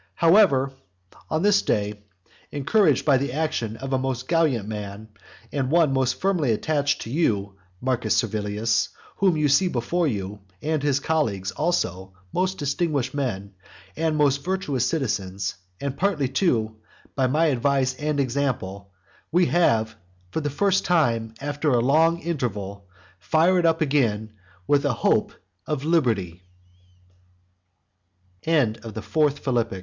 However, on this day, encouraged by the motion of a most gallant man, and one most firmly attached to you, Marcus Servilius, whom you see before you, and his colleagues also, most distinguished men, and most virtuous citizens; and partly, too, by my advice and my example, we have, for the first time after a long interval, fired up again with a hope of liber